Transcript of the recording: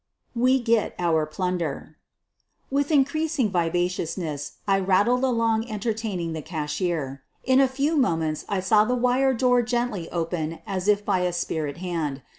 WE GET OUR PLUNDER With increasing vivaciousness, I rattled along en tertaining the cashier. In a few moments I saw the wire door gently open as if by a spirit hand.